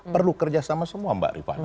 perlu kerja sama semua mbak rifana